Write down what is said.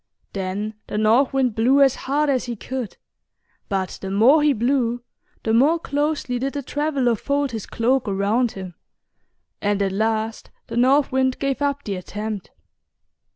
Then the North Wind blew as hard as he could, but the more he blew the more closely did the traveler fold his cloak around him; and at last the North Wind gave up the attempt.